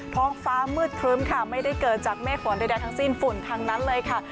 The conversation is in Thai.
ท้องฟ้ามืดครึ้มค่ะไม่ได้เกิดจากเมฆฝนใดทั้งสิ้นฝุ่นทั้งนั้นเลยค่ะ